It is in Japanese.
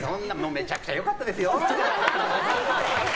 めちゃくちゃ良かったですよ。